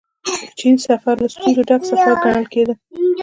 د چين سفر له ستونزو ډک سفر ګڼل کېده.